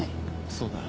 そうだ。